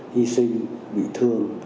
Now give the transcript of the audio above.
hy sinh bị thương